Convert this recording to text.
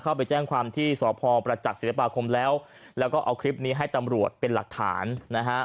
เข้าไปแจ้งความที่สพประจักษ์ศิลปาคมแล้วแล้วก็เอาคลิปนี้ให้ตำรวจเป็นหลักฐานนะฮะ